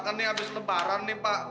kan ini habis lebaran nih pak